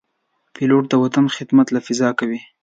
پیلوټ د وطن خدمت له فضا کوي.